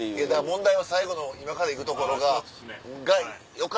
問題は最後の今から行くところがよかったら。